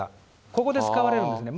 ここで使われるんですね。